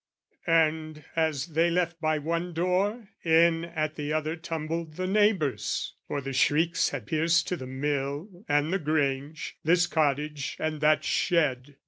And, as they left by one door, in at the other Tumbled the neighbours for the shrieks had pierced To the mill and the grange, this cottage and that shed.